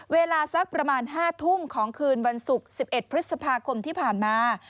เวลาสักประมาณ๕ทุ่มของคืนวันศุกร์๑๑พฤษภาคมที่ผ่านมา